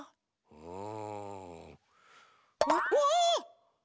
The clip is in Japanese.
うん！